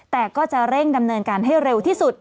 แต่ก็จะเร่งดำเนินการให้เร็วที่สุด